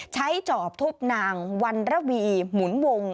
จอบทุบนางวันระวีหมุนวง